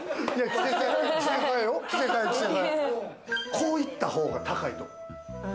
こういった方が高いと思う。